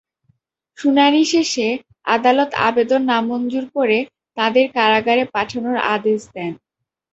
শুনানি শেষে আদালত আবেদন নামঞ্জুর করে তাঁদের কারাগারে পাঠানোর আদেশ দেন।